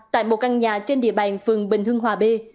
tại một căn nhà trên địa bàn phường bình hưng hòa b